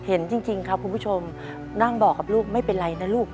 เห็นจริงครับคุณผู้ชมนั่งบอกกับลูกไม่เป็นไรนะลูก